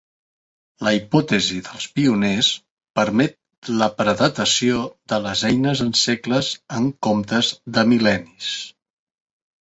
La hipòtesi dels pioners permet la predatació de les eines en segles en comptes de mil·lennis.